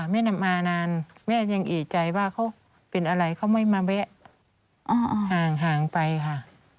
มานานแม่ยังเอกใจว่าเขาเป็นอะไรเขาไม่มาแวะห่างไปค่ะ